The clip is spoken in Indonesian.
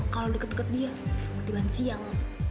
kalau deket deket dia ketiban siang